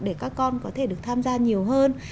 để các con có thể được tham gia nhiều hơn